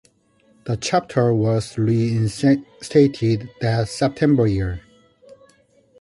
The chapter was reinstated that September year.